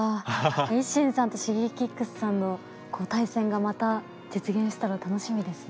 ＩＳＳＩＮさんとＳｈｉｇｅｋｉｘさんの対戦がまた実現したら楽しみですね。